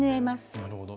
なるほど。